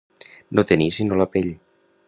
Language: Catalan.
No tenir sinó la pell.